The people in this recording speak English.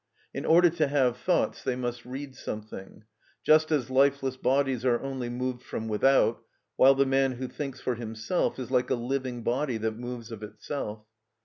In order to have thoughts they must read something; just as lifeless bodies are only moved from without; while the man who thinks for himself is like a living body that moves of itself.